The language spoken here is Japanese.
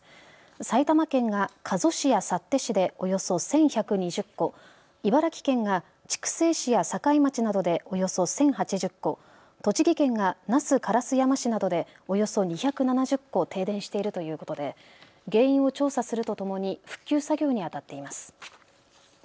埼玉県が加須市や幸手市でおよそ１１２０戸、茨城県が筑西市や境町などでおよそ１０８０戸、栃木県が那須烏山市などでおよそ２７０戸停電しているということで原因を調査するとともに復旧作業にあたっています。